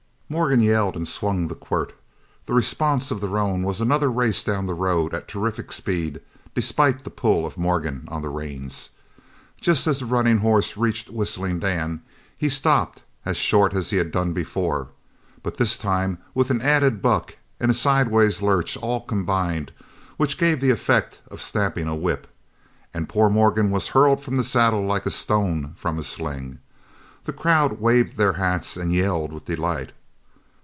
Morgan yelled and swung the quirt. The response of the roan was another race down the road at terrific speed, despite the pull of Morgan on the reins. Just as the running horse reached Whistling Dan, he stopped as short as he had done before, but this time with an added buck and a sidewise lurch all combined, which gave the effect of snapping a whip and poor Morgan was hurled from the saddle like a stone from a sling. The crowd waved their hats and yelled with delight.